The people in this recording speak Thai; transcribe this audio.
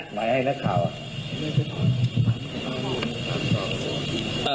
หมายให้แบบนักข่าวอ่ะ